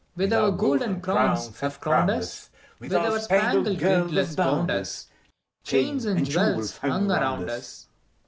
With our golden crowns have crowned us, With our spangled girdles bound us, Chains and jewels hung around us